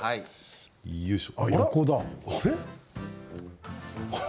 よいしょ。